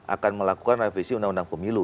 akan melakukan revisi undang undang pemilu